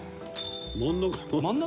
真ん中。